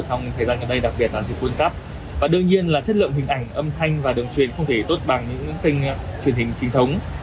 trong thời gian ngày nay đặc biệt là truyền hình quân cấp và đương nhiên là chất lượng hình ảnh âm thanh và đường truyền không thể tốt bằng những truyền hình trinh thống